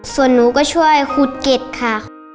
ส่วนหนูก็ช่วยขุดเก็ดค่ะ